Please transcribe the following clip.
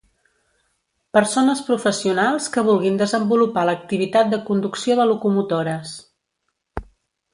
Persones professionals que vulguin desenvolupar l'activitat de conducció de locomotores.